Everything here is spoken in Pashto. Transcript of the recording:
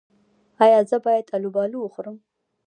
ایا زه باید الوبالو وخورم؟